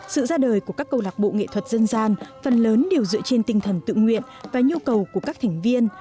sự ra đời của các câu lạc bộ nghệ thuật dân gian phần lớn đều dựa trên tinh thần tự nguyện và nhu cầu của các thành viên